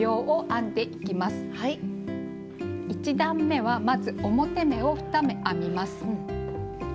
１段めはまず表目を２目編みます。